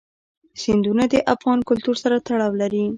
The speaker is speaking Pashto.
سیندونه د افغان کلتور سره تړاو لري.